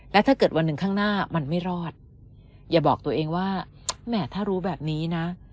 และถ้าเกิดวันหนึ่งข้างหน้ามันไม่รอดอย่าบอกตัวเองว่าแหมถ้ารู้แบบนี้นะ